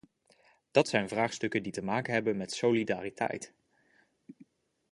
Dat zijn vraagstukken die te maken hebben met solidariteit.